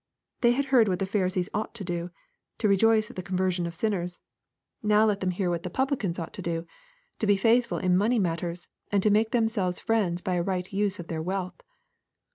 — They had heard what Pharisees ought to do, — to rejoice at the conversion of sinners. Let them now hear what LUKE, CHAP. XVI. 201 publicans ought to do, — to be faithful in money matters, and to make themselves friends by a right use of their wealth.